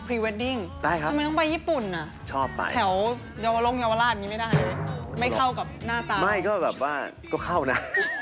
พูดถึงภาพพรีเวดดิ่ง